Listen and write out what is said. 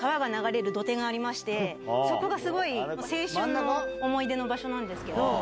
そこが青春の思い出の場所なんですけど。